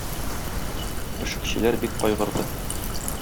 Пешекчеләр бик кайгырды.